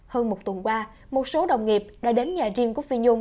hơn một tuần qua một số đồng nghiệp đã đến nhà riêng của phi nhung